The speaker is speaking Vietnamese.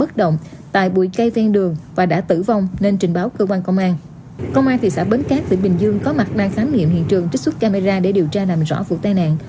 công an thị xã bến cát tỉnh bình dương có mặt đang khám nghiệm hiện trường trích xuất camera để điều tra làm rõ vụ tai nạn